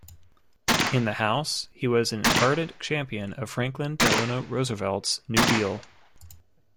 In the House, he was an ardent champion of Franklin Delano Roosevelt's New Deal.